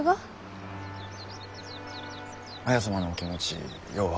綾様のお気持ちよう分